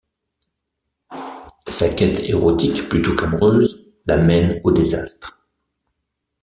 Sa quête érotique plutôt qu'amoureuse la mène au désastre.